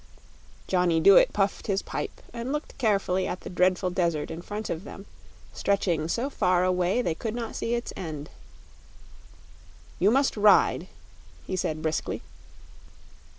Johnny Dooit puffed his pipe and looked carefully at the dreadful desert in front of them stretching so far away they could not see its end. "You must ride," he said, briskly.